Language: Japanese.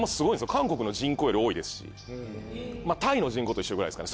韓国の人口より多いですしタイの人口と一緒くらいですかね。